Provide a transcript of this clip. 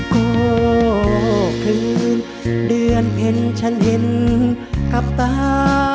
ก็คืนเดือนเพ็ญฉันเห็นกับตา